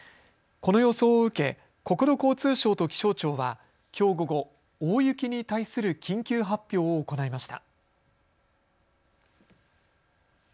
この予想を受け、国土交通省と気象庁はきょう午後、大雪に対する緊急発表を行いました。